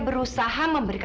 biasalah apa ya papa